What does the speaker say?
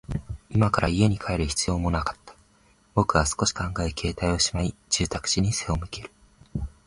今から家に帰る必要もなかった。僕は少し考え、携帯をしまい、住宅地に背を向ける。